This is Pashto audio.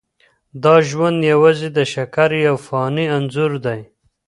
دا ژوند یوازې د شکر یو فاني انځور دی.